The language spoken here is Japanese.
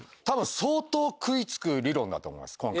多分相当食い付く理論だと思います